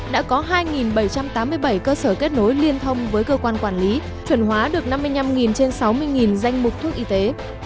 đã có hai bảy trăm tám mươi bảy cơ sở kết nối liên thông với cơ quan quản lý chuẩn hóa được năm mươi năm trên sáu mươi danh mục thuốc y tế